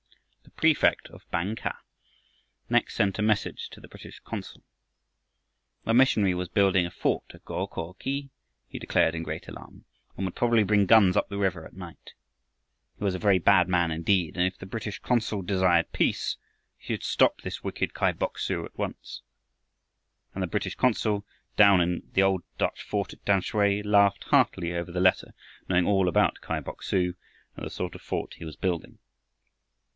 The prefect of Bang kah next sent a message to the British consul. The missionary was building a fort at Go ko khi, he declared in great alarm, and would probably bring guns up the river at night. He was a very bad man indeed, and if the British consul desired peace he should stop this wicked Kai Bok su at once. And the British consul down in his old Dutch fort at Tamsui laughed heartily over the letter, knowing all about Kai Bok su and the sort of fort he was building.